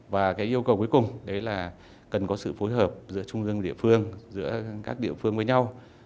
và yêu cầu cuối cùng cần có sự phối hợp giữa chung dân địa phương giữa các địa phương với nhau